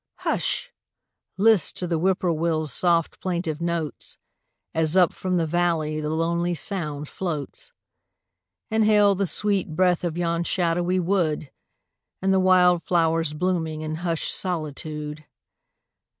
Hush! list to the Whip poor will's soft plaintive notes, As up from the valley the lonely sound floats, Inhale the sweet breath of yon shadowy wood And the wild flowers blooming in hushed solitude.